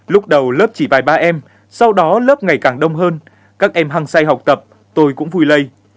lúc đầu lớp chỉ vài ba em sau đó lớp ngày càng đông hơn các em hăng say học tập tôi cũng vui lây